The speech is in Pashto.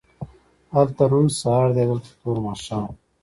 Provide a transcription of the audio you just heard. هلته روڼ سهار دی او دلته تور ماښام